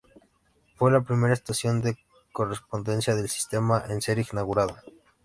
Fue la primera estación de correspondencia del sistema en ser inaugurada.